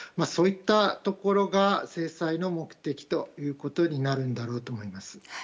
そういったところが制裁の目的ということになるんだろうと思います。